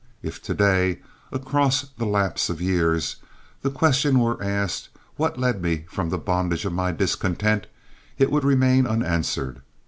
If to day, across the lapse of years, the question were asked what led me from the bondage of my discontent, it would remain unanswered.